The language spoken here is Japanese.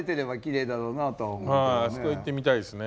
あそこ行ってみたいですね。